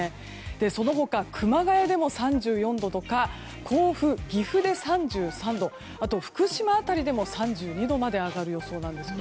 その他、熊谷でも３４度とか甲府、岐阜で３３度福島辺りでも３２度まで上がる予想です。